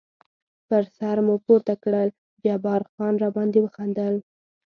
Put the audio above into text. پر سر مو پورته کړل، جبار خان را باندې وخندل.